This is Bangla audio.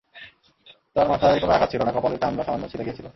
তাঁর মাথায় কোনো আঘাত ছিল না, কপালের চামড়া সামান্য ছিলে গিয়েছিল।